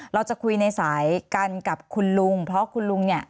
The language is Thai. เราจะคุยในสายกันกับคุณลุงเพราะคุณลุงเนี่ย